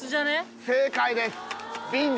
正解です。